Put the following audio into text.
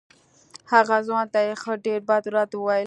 هغه ځوان ته یې ښه ډېر بد رد وویل.